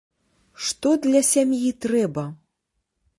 Што для сям'і трэба?